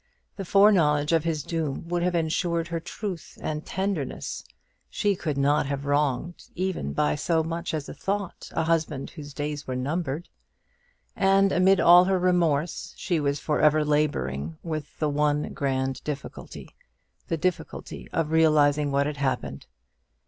The foreknowledge of his doom would have insured her truth and tenderness; she could not have wronged, even by so much as a thought, a husband whose days were numbered. And amid all her remorse she was for ever labouring with the one grand difficulty the difficulty of realizing what had happened.